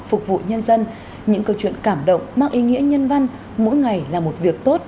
phục vụ nhân dân những câu chuyện cảm động mang ý nghĩa nhân văn mỗi ngày là một việc tốt